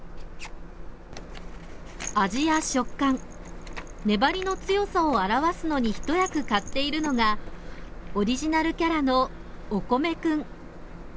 味や食感粘りの強さを表すのに一役買っているのがオリジナルキャラのお米くん。